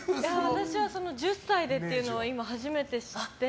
私は１０歳でっていうのを今初めて知って。